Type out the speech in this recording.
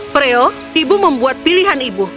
freo ibu membuat pilihan ibu